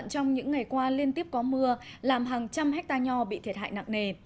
trong những ngày qua liên tiếp có mưa làm hàng trăm hectare nho bị thiệt hại nặng nề